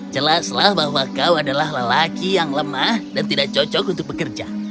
jelaslah bahwa kau adalah lelaki yang lemah dan tidak cocok untuk bekerja